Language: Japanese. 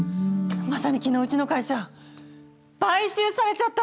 まさに昨日うちの会社買収されちゃったの！